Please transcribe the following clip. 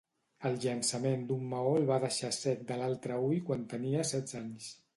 El llançament d'un maó el va deixar cec de l'altre ull quan tenia setze anys.